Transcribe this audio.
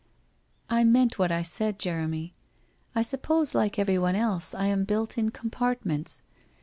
* I meant what I said, Jeremy. I suppose, like every one else, I am built in compartments.